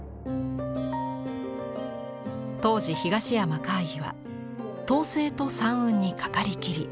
当時東山魁夷は「濤声」と「山雲」にかかりきり。